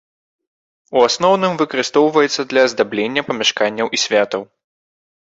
У асноўным выкарыстоўваецца для аздаблення памяшканняў і святаў.